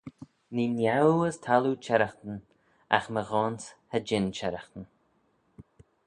Nee niau as thalloo çherraghtyn, agh my ghoan's cha jean çherraghtyn.